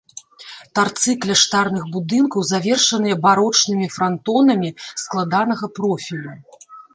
Тарцы кляштарных будынкаў завершаныя барочнымі франтонамі складанага профілю.